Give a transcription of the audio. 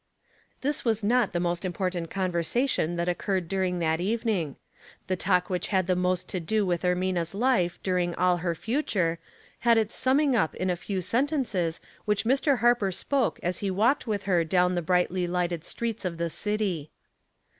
Light, 289 This was not the most important conversa tion that occurred during that evening. The talk which had the most to do with Ermina's life during all her future, had its summing up in a few sentences which Mr. Harper spoke as he walked with her down the brightly lighted streets of the city.